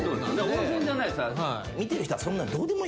温泉じゃない。